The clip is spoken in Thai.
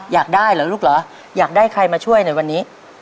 อยากได้เหรอลูกเหรออยากได้ใครมาช่วยในวันนี้